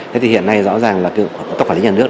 thế thì hiện nay rõ ràng là tất cả những nhà nước